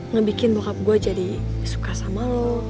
ngebikin bokap gue jadi suka sama lo